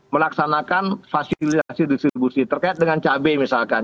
melaksanakan fasilitasi distribusi terkait dengan cabai misalkan